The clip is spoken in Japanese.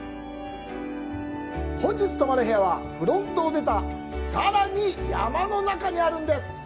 本日泊まる部屋はフロントを出たさらに山の中にあります。